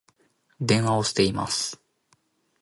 電話をしています